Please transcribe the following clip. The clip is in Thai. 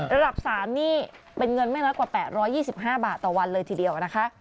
ระดับ๓นี่เป็นเงินไม่น้อยกว่า๘๒๕บาทต่อวันเลยทีเดียวนะคะ